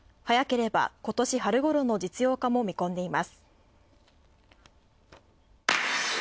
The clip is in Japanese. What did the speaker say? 早ければ今年春頃の実用化も見込んでいます。